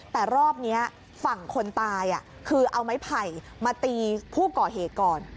แต่รอบนี้ฝั่งคนตายคือเอาไม้ไผ่มาตีผู้ก่อเหตุก่อน